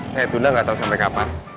saya tunda gak tau sampe kapan